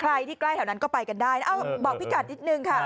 ใกล้ที่ใกล้แถวนั้นก็ไปกันได้บอกพี่กัดนิดนึงค่ะ